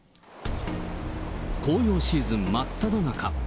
紅葉シーズン真っただ中。